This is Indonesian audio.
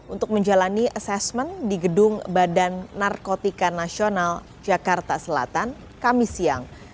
untuk menjalani asesmen di gedung badan narkotika nasional jakarta selatan kami siang